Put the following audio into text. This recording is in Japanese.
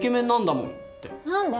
何で？